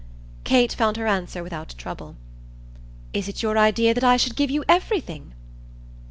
Kate found her answer without trouble. "Is it your idea that I should give you everything?"